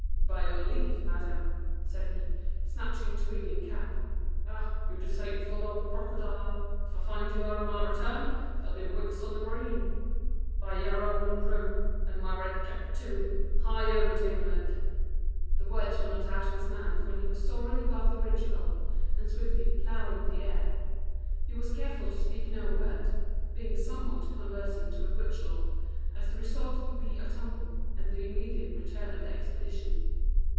"By your leave, ma'am," said he, snatching twig and cap. "Ah, you desateful ould crocodile! If I find you here on my return, there'll be wigs on the green 'By yarrow and rue, And my red cap too, Hie over to England.'" The words were not out of his mouth when he was soaring above the ridge pole, and swiftly ploughing the air. He was careful to speak no word (being somewhat conversant with witch lore), as the result would be a tumble, and the immediate return of the expedition.